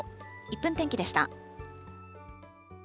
１分天気でした。